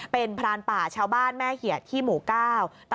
เป็นพรานป่าชาวบ้านแม่เหียดที่หมู่เก้า